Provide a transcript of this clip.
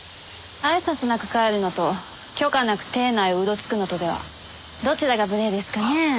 あいさつなく帰るのと許可なく邸内をうろつくのとではどちらが無礼ですかねぇ？